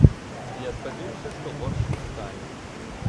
Я спадзяюся, што горш не стане.